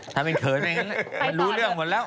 ถ้ามันเขินไหมมันรู้เรื่องหมดแล้ว